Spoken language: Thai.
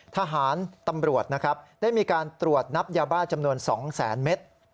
ทหารตำรวจนะครับได้มีการตรวจนับยาบ้าจำนวน๒แสนเมตร